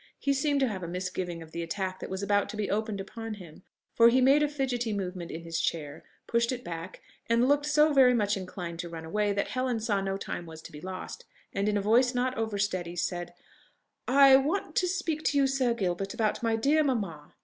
He seemed to have a misgiving of the attack that was about to be opened upon him; for he made a fidgetty movement in his chair, pushed it back, and looked so very much inclined to run away, that Helen saw no time was to be lost, and, in a voice not over steady, said, "I want to speak to you, Sir Gilbert, about my dear mamma.